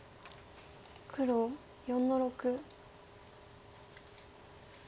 黒４の六。